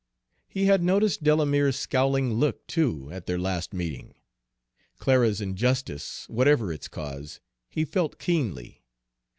He had noticed Delamere's scowling look, too, at their last meeting. Clara's injustice, whatever its cause, he felt keenly.